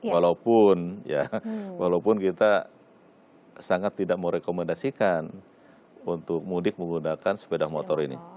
walaupun ya walaupun kita sangat tidak merekomendasikan untuk mudik menggunakan sepeda motor ini